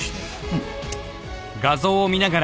うん。